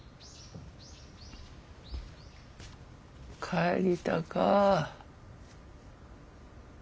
帰りたかぁ。